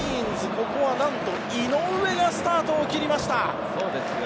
ここはなんと、井上がスタートを切りました。